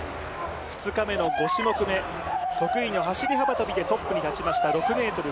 ２日目の５種目目、得意の走幅跳でトップに立ちました。